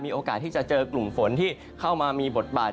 โอกาสที่จะเจอกลุ่มฝนที่เข้ามามีบทบาท